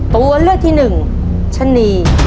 ตัวเลือดที่๑ฉนี